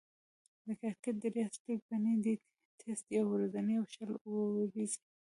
د کرکټ درې اصلي بڼې دي: ټېسټ، يو ورځنۍ، او شل اووريز.